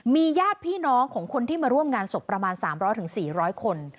มีญาติพี่น้องของคนที่มาร่วมงานศพประมาณ๓๐๐๔๐๐คน